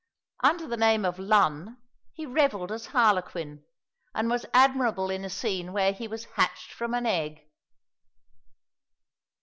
Under the name of Lun he revelled as harlequin, and was admirable in a scene where he was hatched from an egg.